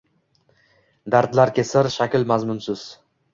Dardlarki, sir – shakl-mazmunsiz